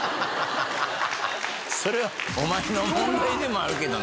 それはお前の問題でもあるけど。